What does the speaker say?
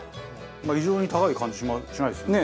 異常に高い感じしないですよね。